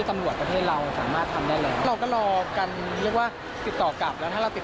แต่พีชพัชรายืนยันแน่นอนว่าเอาเรื่องจะเงียบไป